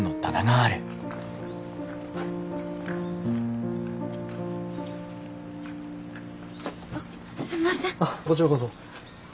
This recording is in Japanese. あっこちらこそ。